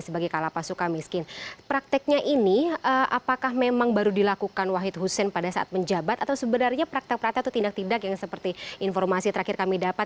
sebagai kalapas suka miskin prakteknya ini apakah memang baru dilakukan wahid hussein pada saat menjabat atau sebenarnya praktek praktek atau tindak tindak yang seperti informasi terakhir kami dapat